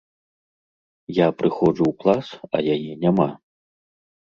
Я прыходжу ў клас, а яе няма.